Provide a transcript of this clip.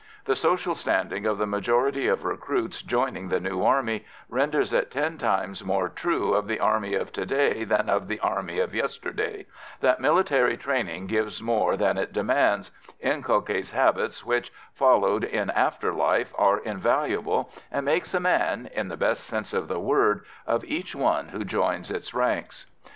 The social standing of the majority of recruits joining the new army renders it ten times more true of the Army of to day than of the Army of yesterday, that military training gives more than it demands, inculcates habits which, followed in after life, are invaluable, and makes a man in the best sense of the word of each one who joins its ranks.